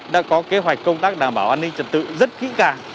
đã có kế hoạch công tác đảm bảo an ninh trật tự rất kỹ càng